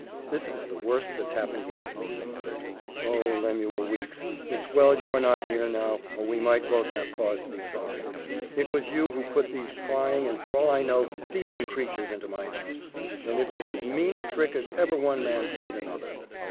"This is the worst that's happened yet," he muttered. "Oh, Lemuel Weeks! It's well you are not here now, or we might both have cause to be sorry. It was you who put these prying, and for all I know, thieving creatures into my house, and it was as mean a trick as ever one man played another.